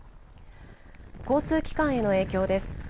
交通機関への影響です。